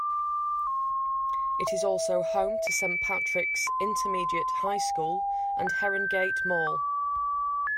It is also home to Saint Patrick's Intermediate High School and Herongate Mall.